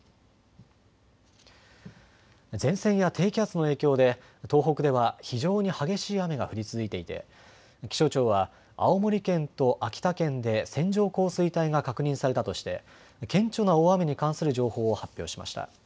前線や低気圧の影響で東北では非常に激しい雨が降り続いていて気象庁は青森県と秋田県で線状降水帯が確認されたとして顕著な大雨に関する情報を発表しました。